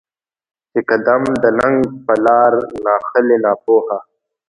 چې قـــــدم د ننــــــــګ په لار ناخلې ناپوهه